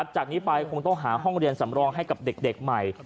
จากนี้ไปคงต้องหาห้องเรียนสำรองให้กับเด็กใหม่